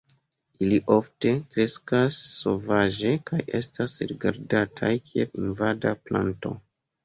Ili ofte kreskas sovaĝe kaj estas rigardataj kiel invada planto.